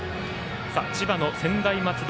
千葉の専大松戸